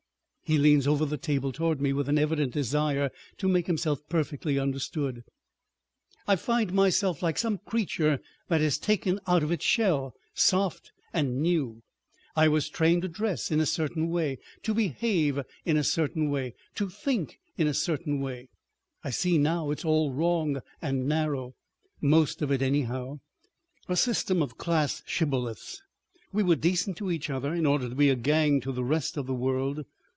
He leans over the table toward me with an evident desire to make himself perfectly understood. "I find myself like some creature that is taken out of its shell—soft and new. I was trained to dress in a certain way, to behave in a certain way, to think in a certain way; I see now it's all wrong and narrow—most of it anyhow—a system of class shibboleths. We were decent to each other in order to be a gang to the rest of the world.